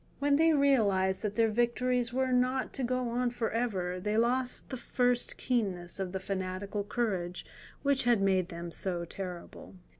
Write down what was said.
When they realized that their victories were not to go on for ever, they lost the first keenness of the fanatical courage which had made them so terrible.